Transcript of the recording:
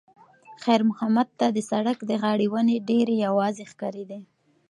خیر محمد ته د سړک د غاړې ونې ډېرې یوازې ښکارېدې.